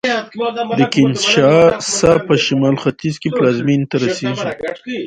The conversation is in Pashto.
د کینشاسا په شمال ختیځ کې پلازمېنې ته رسېږي